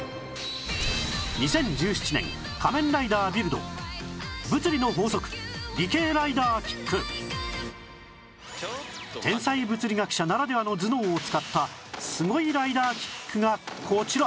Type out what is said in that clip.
２０１７年『仮面ライダービルド』天才物理学者ならではの頭脳を使ったすごいライダーキックがこちら